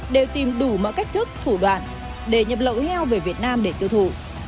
đều tìm đủ mọi cách thức thủ đoạn để nhập lậu heo về việt nam để tiêu thụ